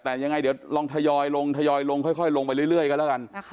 แต่ยังไงเดี๋ยวลองทยอยลงทยอยลงค่อยลงไปเรื่อยกันแล้วกัน